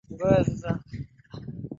Nikungojapo chini,